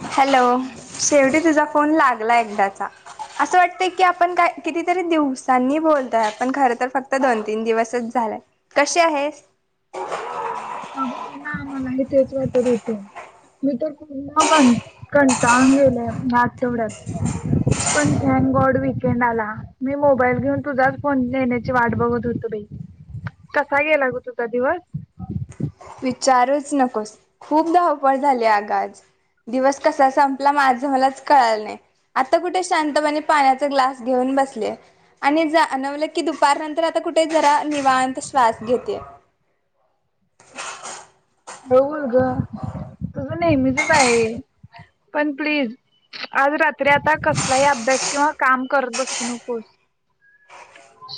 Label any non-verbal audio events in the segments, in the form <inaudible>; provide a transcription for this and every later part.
Hello सेवटी तिजा phone लागला एकदाचा असं वाटतय की आपण काय कितीतरी दिवसांनी बोलतोय आपण खर तर फक्त दोन तीन दिवसच झालंय कशी आहेस? अहो ना मलाही तेच वाटत होत, मी तर पुन्हा कन कंटाळून गेले आठवड्यात पण थँक गॉड वीकेंड आला मी मोबाईल घेऊन तुझाच फोन नेण्याची वाट बघत होतो बाई, कसा गेला ग तुझा दिवस? विचारूच नकोस खूप धावपळ झाली आगाज, दिवस कसा संपला माझं मलाच कळालं नाही आता कुठे शांतपणे पाण्याचा ग्लास घेऊन बसले आणि जानवलं की दुपार नंतर आता कुठे जरा निवांत श्वास घेते. बऊल ग तुझं नेहमीचच आहे पण प्लीज आज रात्री आता कसलाही अभ्यास किंवा काम करत बसू नकोस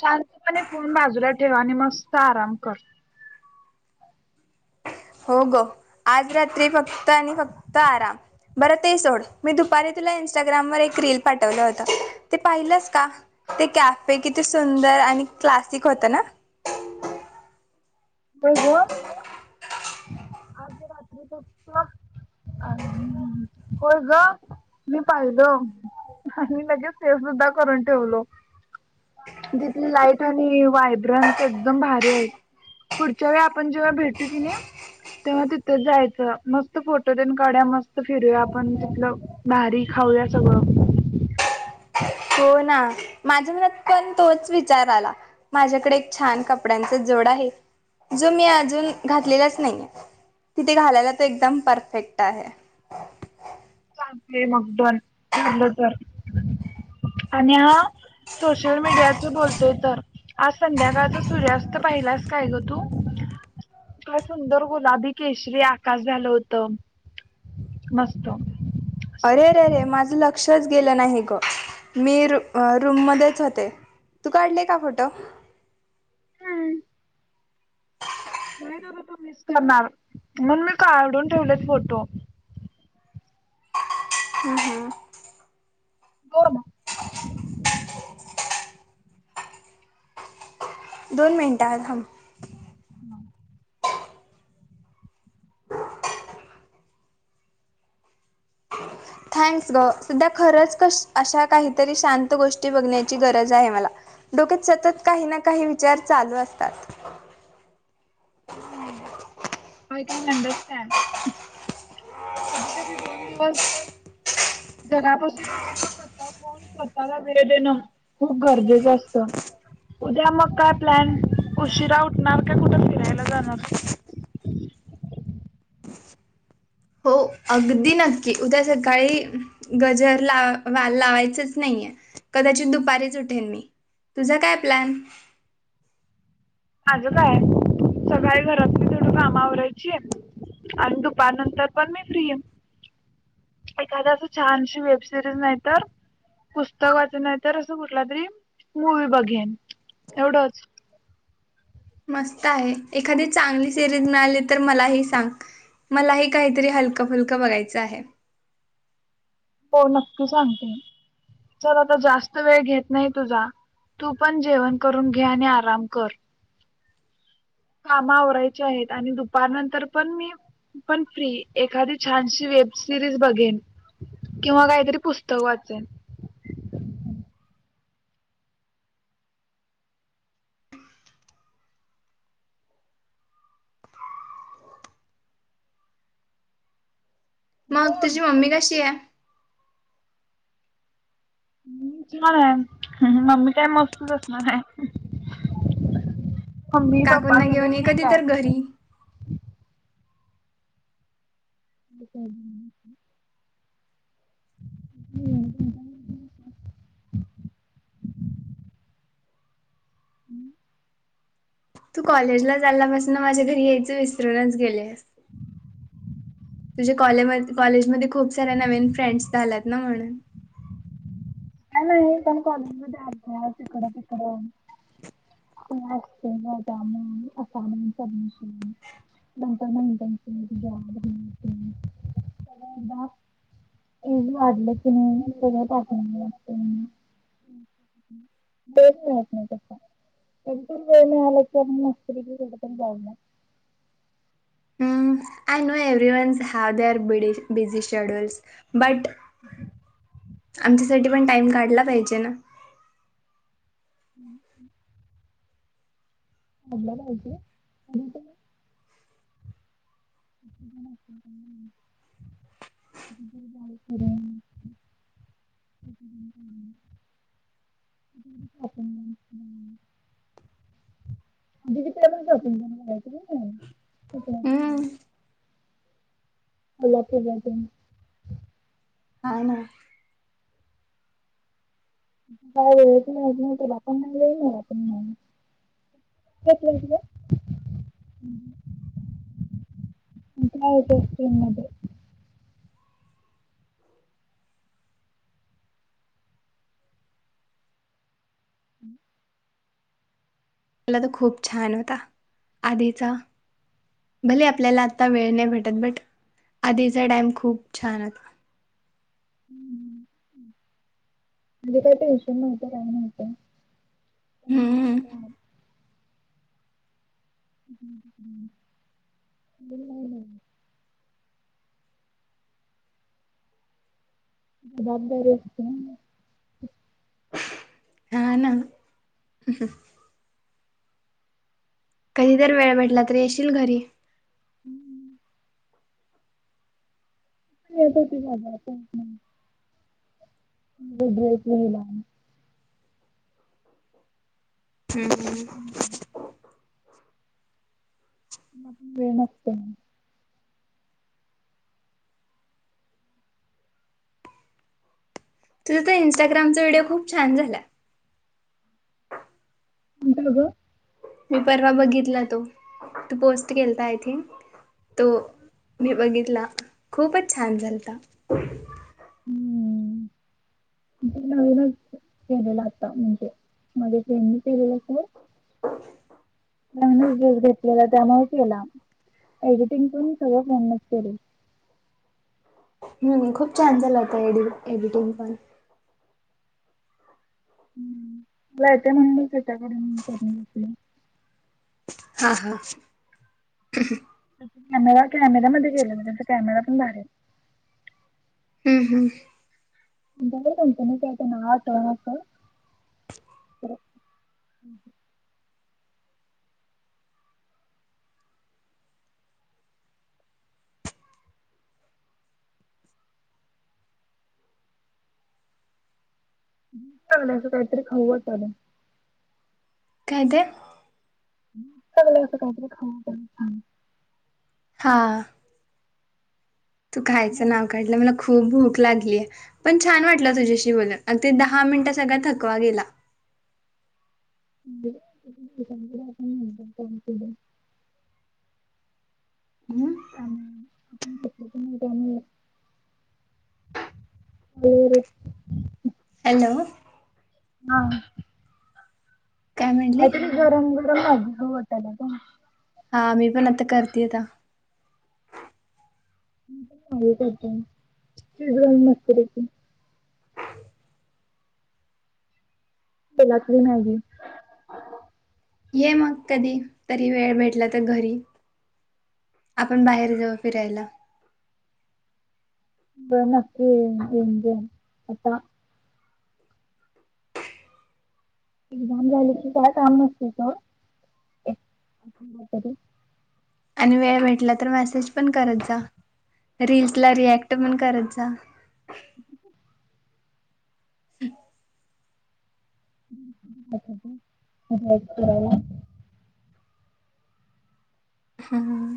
शांतपणे फोन बाजूला ठेवा आणि मस्त आराम कर. हो ग आज रात्री फक्त आणि फक्त आराम बरं ते सोड मी दुपारी तुला इन्स्टाग्रामवर एक रील पाठवलं होत, ते पाहिलंस का ते कॅफे किती सुंदर आणि क्लासिक होत ना. होय ग आज रात्री बघतो, होय ग मी पाहिलं आणि लगेच सेव सुद्धा करून ठेवलो, तिथील लाईट आणि वायबररंट् एकदम भारी आहेत. पुढच्या वेळे आपण जेव्हा भेटू कि नाही तेव्हा तिथेच जायचं, मस्त फोटो तेन काढा, मस्त फिरूया आपण तिथलं मारी खाऊया सगळं. हो ना माझ्या मनात पण तोच विचार आला माझ्याकडे एक छान कपड्यांचा जोड आहे जो मी अजून घातलेलाच नाही आहे, तिथे घालायला तो एकदम परफेक्ट आहे. हा ते मगद्वन ठरलं तर आणि हा सोशल मीडियाचा बोलतोय तर आज संध्याकाळच सूर्यास्त पहिलाच काय ग तू सुंदर गुलाबी केशरी आकाश झालं होत मस्त. असं अरे रे रे माझं लक्षचं गेलं नाही ग, मी रू आ रूम मध्येच होते तू काढले का फोटो? हम्म नाही जर तू मिस करणार मणून मी काढून ठेवलेत फोटो. हम्म हम्म. बो ना. दोन मिनटां हाय थांब. हम थँक्स ग सध्या खरच क अशा काहीतरी शांत गोष्टी बघण्याची गरज आहे मला डोक्यात सतत काही ना काही विचार चालू असतात हो कंदस् कधी कधी दोन दिवस जगापासून पूर्ण करता फण करताना विरे देणं खूप गरजेच असत उद्या मग काय प्लॅन उशिरा उठणार का कुठे फिरायला जाणार हो अगदी नक्की उद्या सकाळी गजर ला लावायचच नाहीये कदाचित दुपारीच उठेन मी तुझा काय प्लॅन माझ काय सकाळी घरात थोड कामावरयची आहे आणि दुपार नंतर पण मी फ्री आहे एखाद अस छानशी वेब सिरीज नाहीत पुस्तक वाच नाहीत असं कुठला तरी मूवी बघेन एवढच मस्त आहे एखादी चांगली सिरीज मिळाली तर मलाही सांग मलाही काहीतरी हलकं फुलकं बघायचं आहे हो नक्की सांगते चल आता जास्त वेळ घेत नाही तुझा तू पण जेवण करून घे आणि आराम कर कामा आवरायची आहेत आणि दुपारनंतर पण मी पण फ्री एखादी छानशी वेब सिरीज बघेन किंवा काहीतरी पुस्तक वाचेन मग बोल तुझी मम्मी कशी आहे मणार आहे मम्मी काय मस्तच असणार आहे मम्मी पप्पा काकणना सगळे घेऊन ठीक कधी तर आहेत घरी हो का हम् हम्म तू कॉलेजला जालापासून माझ्या घरी यायचं विसरूनच गेले तुझ कॉलेजमध्ये खूप साऱ्या नवीन फ्रेंड्स झाल्यात ना म्हणून का नाही पण कॉलेज मध्ये तिकड तिकड असमेंट सडमिशन नंतर मटन जॉब वाढले की ट ह एंत र व आलचस् कत पावलं I know everyone's how they are ब बिझी शेड्यल्स बट हम् आमच्यासाठी पण टाइम काढला पाहिजे ना हम्म मोडलं पाहिजे आणि त बा तिकडे शॉपिंग करूनय क हम्म आपर राहते हा ना कायण नाहीण काय हों टन म हम् मला तो खूप छान होता आधीचा भले आपल्याला आता वेळ नाही भेटत बट आधीचा टाइम खूप छान होता म्हणजे काय टेनशन माहिती काय मात हम्म ह ह्् ब नाही बर असत ह ना कधीतर वेळ म्हेटला तरी येशील घरी हम्म त होती झा आता ड्रेचला का मून वेणतो ना तुझं तर इन्स्टाग्रामचा व्हिडिओ खूप छान झाला ए जा का मी परवा बघितला तो तू पोस्ट केलता आय थिंक तो मी बघितला खूपच छान झालता हम्म नवीन केलेलं आता म्हणजे माझे फेंनी केलेलं कोण स घेतलेला त्यामुळेच केला एडिटिंग पण सगळ फ्रेंडच केले हम्म खूप छान झाला होता एड एडिटिंग पण तेला येतंय म्हणूननच त्याच्याकडे करून घेतलं मी.. हा हा त्या कॅमेरा कॅमेरामध्येध्ये गेललो त्याचा कॅमेरा पण बारी आहे हम्म हम् <unintelligible> भूक लागल्या असं काहीतरी खाऊ वाटलंय. काय ते. भूक लागल्या असं काहीतरी खाऊ वाटलंय. हा तू खायचं नाव काहीतरी काढलं मला खूप भूक. लागली पण छान वाटलं तुझ्याशी बोलून अगदी दहा मिनट सगळ थकवा गेला. <unintelligible> का म <inaudible> बर हॅलो हा काय तरी गरम गरम मॅगीखाऊ वाटल्या काय. हा मी पण आता करते आता. ड मस्तरी त केला कि मॅगी ये मग कधी तरी वेळ भेटला तर घरी आपण बाहेर जाऊ फिरायला. बर नक्की येईन आता. एक्झाम झाली की काय काम नसते सोड येतो कि. आणि वेळ भेटला तर मेसेज पण करत जा रीलस ला रिएक्ट पण करत जा. हम् <inaudible> हम्म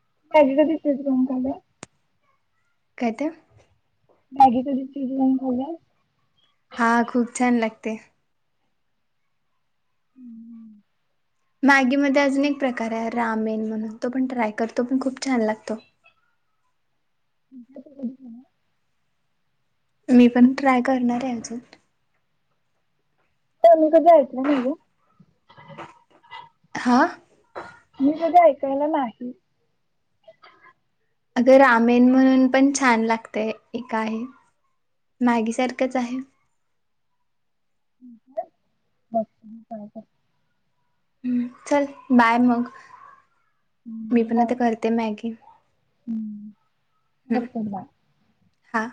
<unintelligible> काय ते मॅगी कधी केली नाही <inaudible> हा खूप छान लागते. <unintelligible> मॅगीमध्ये अजून एक प्रकार आहे रामेन म्हणून तो पण ट्राय करतो पण खूप छान लागतो. <inaudible> मी पण ट्राय करणार आहे अजून. पन कधी ऐकलं नाहीओ. हा केलं नाय. अगं रामेन म्हणून पण छान लागतय एका आहे मॅगी सारखंच आहे. बघते ट्राय करते. हम् चल बाय मग. मी पण बाय आता करते मॅगी हम् करते बाय हां